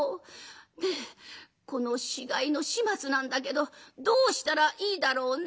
ねえこの死骸の始末なんだけどどうしたらいいだろうね」。